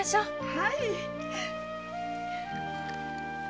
はい。